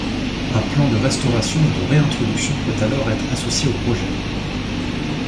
Un plan de restauration ou de réintroduction peut alors être associé au projet.